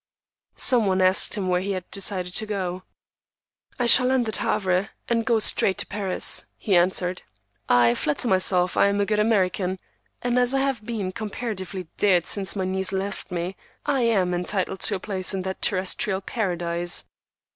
Some one asked him where he had decided to go. "I shall land at Havre, and go straight to Paris," he answered. "I flatter myself I am a good American, and as I have been comparatively dead since my niece left me, I am entitled to a place in that terrestrial paradise."